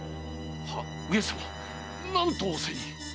上様何と仰せに？